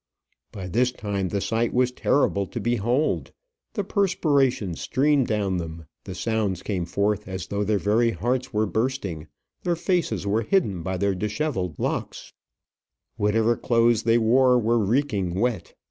By this time the sight was terrible to behold. The perspiration streamed down them, the sounds came forth as though their very hearts were bursting, their faces were hidden by their dishevelled locks, whatever clothes they wore were reeking wet.